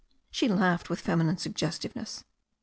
She laughed with feminine suggestiveness.